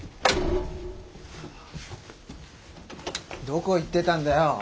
どこ行ってたんだよ。